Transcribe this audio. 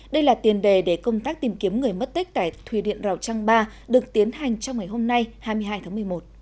đây là tiền đề để công tác tìm kiếm người mất tích tại thủy điện rào trăng ba được tiến hành trong ngày hôm nay hai mươi hai tháng một mươi một